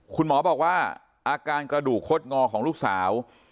คุณหมอบอกว่าอาการกระดูกคดงอของลูกสาว